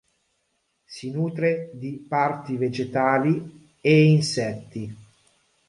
Si nutre di parti vegetali e insetti.